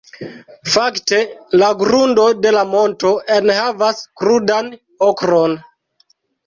Fakte, la grundo de la monto enhavas krudan okron.